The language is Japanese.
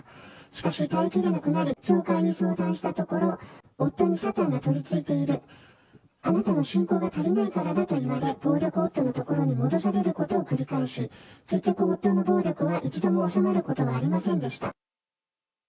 しかし、耐えきれなくなり、教会に相談したところ、夫にサタンがとりついている、あなたの信仰が足りないからだと言われ、暴力夫のところに戻されることを繰り返し、結局、夫の暴力は一度も収まることはありませんでした。